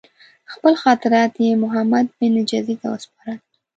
خپل خاطرات یې محمدبن جزي ته وسپارل.